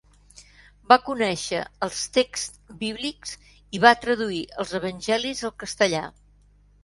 Va conèixer els texts bíblics i va traduir els evangelis al castellà.